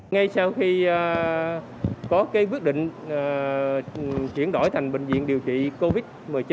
ngay sau khi có quyết định chuyển đổi thành bệnh viện điều trị covid một mươi chín